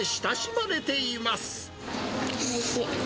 おいしい。